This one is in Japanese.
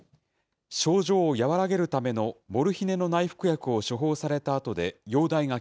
症状を和らげるためのモルヒネの内服薬を処方されたあとで容体が